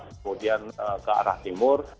kemudian ke arah timur